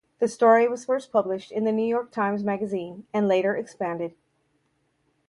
The story was first published in "The New York Times Magazine" and later expanded.